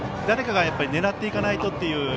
誰かが狙っていかないと。